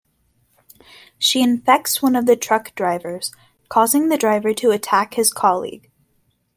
She infects one of the truck drivers, causing the driver to attack his colleague.